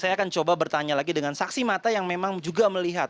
saya akan coba bertanya lagi dengan saksi mata yang memang juga melihat